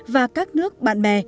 và các nước bạn bè